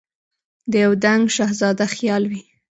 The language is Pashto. د یو دنګ شهزاده خیال وي